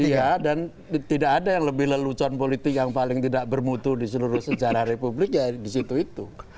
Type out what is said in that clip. iya dan tidak ada yang lebih lelucon politik yang paling tidak bermutu di seluruh sejarah republik ya di situ itu